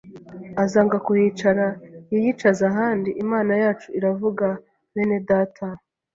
azanga kuhicara yiyicaze ahandi.” Imana yacu iravuga bene Data!